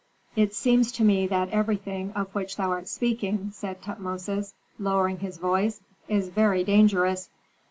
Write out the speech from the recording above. "It seems to me that everything of which thou art speaking," said Tutmosis, lowering his voice, "is very dangerous."